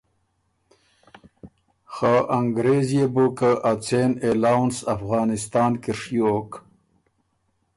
خه انګرېز يې بو که ا څېن الاؤنس افغانِستان کی ڒیوک